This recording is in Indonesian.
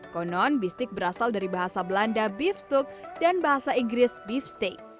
konon bistik berasal dari bahasa belanda beefstuk dan bahasa inggris beefsteak